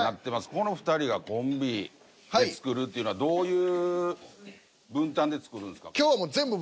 この２人がコンビで作るっていうのはどういう分担で作るんですか？